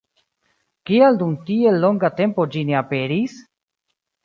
Kial dum tiel longa tempo ĝi ne aperis?